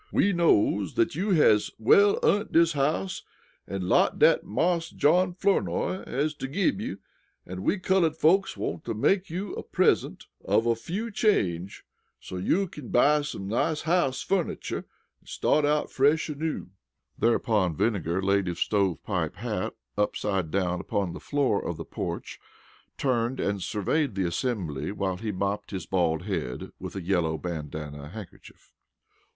We knows dat you has well earnt dis house an' lot dat Marse John Flournoy has gib you an' we cullud folks wants to make you a present of a few change so you kin buy some nice house furnicher an' start out fresh an' new." Thereupon Vinegar laid his stove pipe hat upside down upon the floor of the porch, turned and surveyed the assembly while he mopped his bald head with a yellow bandana handkerchief.